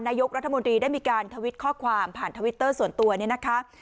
นายกรัฐมนตรีได้มีการทวิตข้อความผ่านทวิตเตอร์ส่วนตัวเนี่ยนะคะ